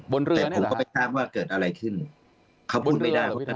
บนเรือแต่ผมก็ไม่ทราบว่าเกิดอะไรขึ้นเขาพูดไม่ได้